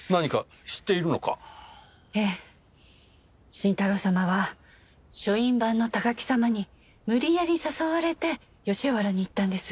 新太郎様は書院番の高木様に無理やり誘われて吉原に行ったんです。